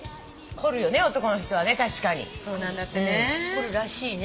凝るらしいね。